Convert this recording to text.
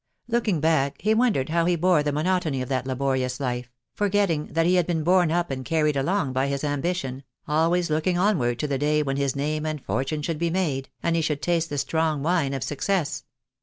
Looking back he wondered how he bore the monotony of that laborious life, forgetting that he had been borne up and carried along by his ambition, always looking onward to the day when his name and fortune should be made, and he should taste the strong wine of success.